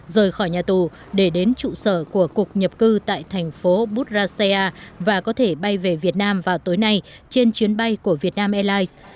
rời khỏi nhà tù để đến trụ sở của cục nhập cư tại thành phố budrasia và có thể bay về việt nam vào tối nay trên chuyến bay của vietnam airlines